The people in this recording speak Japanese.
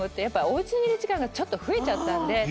やっぱおうちにいる時間が増えちゃったんで。